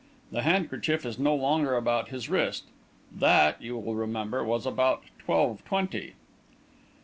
The handkerchief is no longer about his wrist. That, you will remember, was about twelve twenty.